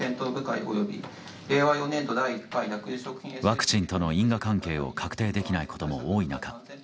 ワクチンとの因果関係を確定できないことも多い中